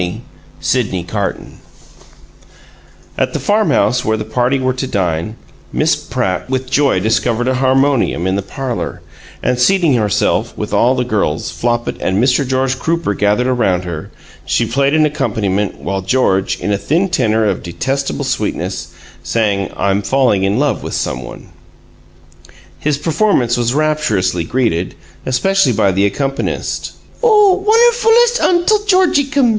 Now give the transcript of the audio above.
XX SYDNEY CARTON At the farm house where the party were to dine, Miss Pratt with joy discovered a harmonium in the parlor, and, seating herself, with all the girls, Flopit, and Mr. George Crooper gathered around her, she played an accompaniment, while George, in a thin tenor of detestable sweetness, sang "I'm Falling in Love with Some One." His performance was rapturously greeted, especially by the accompanist. "Oh, wunnerfulest Untle Georgiecums!"